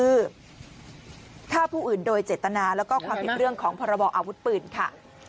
คือฆ่าผู้อื่นโดยเจตนาแล้วก็ความผิดเรื่องของพรบออาวุธปืนค่ะ